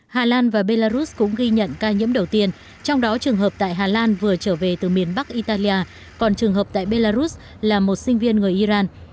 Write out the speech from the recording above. hà lan và belarus cũng ghi nhận ca nhiễm đầu tiên trong đó trường hợp tại hà lan vừa trở về từ miền bắc italia còn trường hợp tại belarus là một sinh viên người iran